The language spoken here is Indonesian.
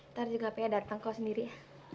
ntar juga hp nya datang kau sendiri ya